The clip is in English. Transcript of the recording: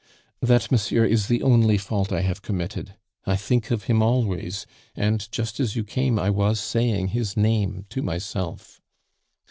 "That, monsieur, is the only fault I have committed. I think of him always; and just as you came, I was saying his name to myself."